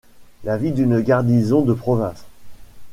La vie d'une garnison de province.